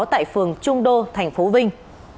tại phường trung đô tp vinh